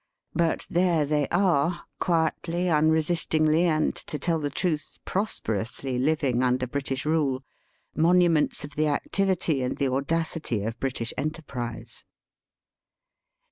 But there they are, quietly, unresistingly, and, to tell the truth, prosperously living under British rule,, monuments of the activity and the audacity of British enterprise.